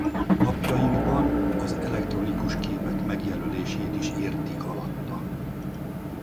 Napjainkban az elektronikus képek megjelölését is értik alatta.